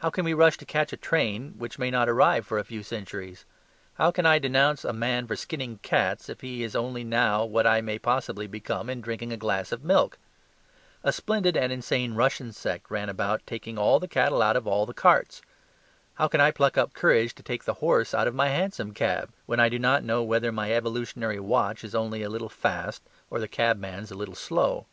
How can we rush to catch a train which may not arrive for a few centuries? How can I denounce a man for skinning cats, if he is only now what I may possibly become in drinking a glass of milk? A splendid and insane Russian sect ran about taking all the cattle out of all the carts. How can I pluck up courage to take the horse out of my hansom cab, when I do not know whether my evolutionary watch is only a little fast or the cabman's a little slow?